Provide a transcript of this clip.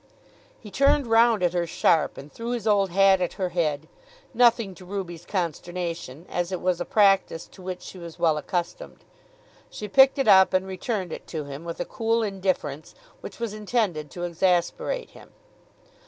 He turned round at her sharp, and threw his old hat at her head; nothing to Ruby's consternation, as it was a practice to which she was well accustomed. She picked it up, and returned it to him with a cool indifference which was intended to exasperate him.